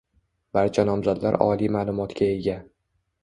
Barcha nomzodlar oliy ma'lumotga ega